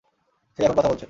সে এখন কথা বলছে!